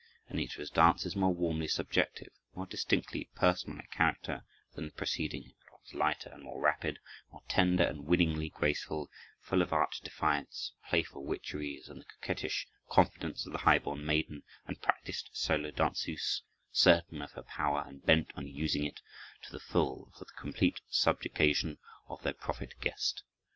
Anitra's dance is more warmly subjective, more distinctly personal in character than the preceding, at once lighter and more rapid, more tender and winningly graceful, full of arch defiance, playful witcheries, and the coquettish confidence of the high born maiden and practised solo danseuse, certain of her power and bent on using it to the full, for the complete subjugation of their prophet guest.